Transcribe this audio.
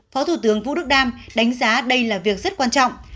phó thủ tướng vũ đức đam đánh giá đây là việc rất quan trọng